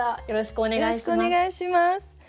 よろしくお願いします。